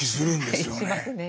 しますねえ。